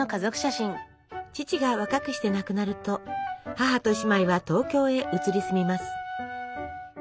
父が若くして亡くなると母と姉妹は東京へ移り住みます。